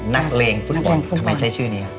นักเลงฟุตบอลไม่ใช่ชื่อนี้